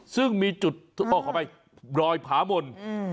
ซึ่งมีจุดอ้อขอไปรอยพาม่อน